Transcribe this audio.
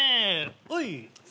おい。